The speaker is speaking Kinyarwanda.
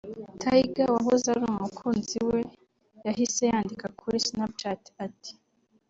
Tyga [wahoze ari umukunzi we] yahise yandika kuri Snapchat ati